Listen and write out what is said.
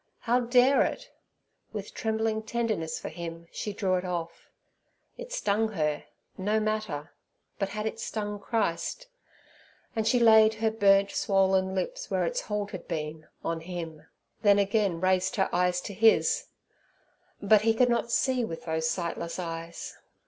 How dare it? With trembling tenderness for Him, she drew it off. It stung her—no matter; but had it stung Christ? And she laid her burnt swollen lips where its hold had been on Him, then again raised her eyes to His. But He could not see with those sightless eyes.